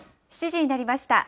７時になりました。